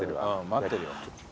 待ってるよ。